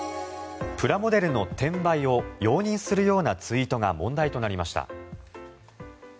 プラモデルの転売を容認するようなツイートが問題になりました。